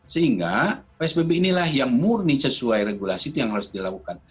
sehingga psbb inilah yang murni sesuai regulasi itu yang harus dilakukan